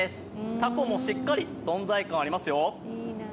たこもしっかり存在感ありますよ。